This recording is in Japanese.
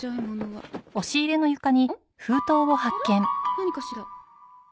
何かしら。